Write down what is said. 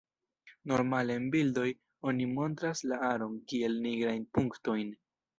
Normale en bildoj, oni montras la aron kiel nigrajn punktojn.